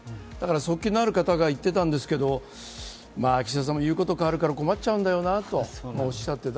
側近のある方が言っていたんですけど岸田さんも言うこと変わるから困っちゃうんだよなと言ってた。